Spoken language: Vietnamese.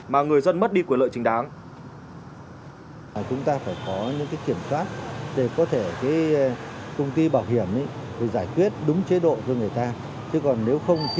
mà người dân mất đi quyền lợi chính đáng